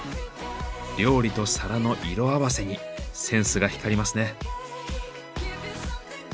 料理と皿の色合わせにセンスが光りますね。